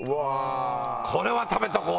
これは食べておこうよ。